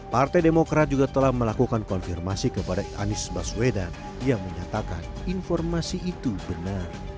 partai demokrat juga telah melakukan konfirmasi kepada anies baswedan yang menyatakan informasi itu benar